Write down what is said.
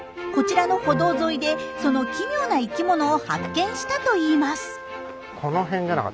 こちらの歩道沿いでその奇妙な生きものを発見したといいます。